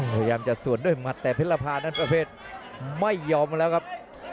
พยายามจะสวนด้วยหมัดแต่เพชรภานั้นประเภทไม่ยอมแล้วครับ